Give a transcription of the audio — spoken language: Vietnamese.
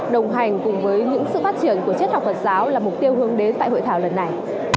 đồng hành cùng với những sự phát triển của triết học phật giáo là mục tiêu hướng đến tại hội thảo lần này